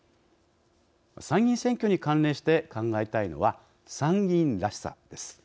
参議院選挙に関連して考えたいのは参議院らしさです。